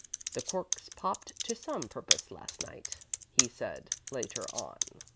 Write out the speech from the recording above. "The corks popped to some purpose last night," he said, later on.